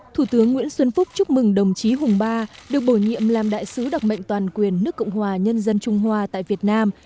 thủ tướng nguyễn xuân phúc chúc mừng đồng chí hùng ba được bổ nhiệm làm đại sứ đặc mệnh toàn quyền nước cộng hòa nhân dân trung hoa tại việt nam